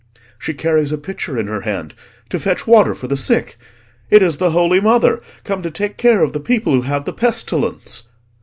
"She carries a pitcher in her hand—to fetch water for the sick. It is the Holy Mother, come to take care of the people who have the pestilence."